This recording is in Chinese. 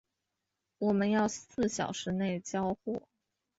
我们要四小时内交货